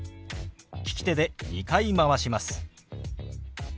利き手で２回回します。